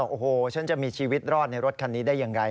โอ้โหฉันจะมีชีวิตรอดในรถคันนี้ได้อย่างไร